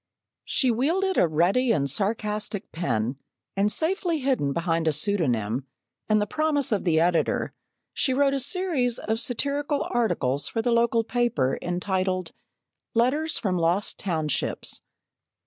She wielded a ready and a sarcastic pen, and safely hidden behind a pseudonym and the promise of the editor, she wrote a series of satirical articles for the local paper, entitled: "Letters from Lost Townships."